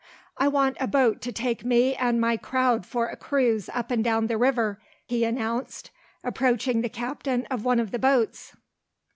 "I want a boat to take me and my crowd for a cruise up and down the river," he announced, approaching the captain of one of the boats.